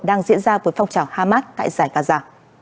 đang diễn ra với phong trào hamas tại giải cà già